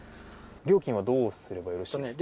料金はどうすればよろしいですか。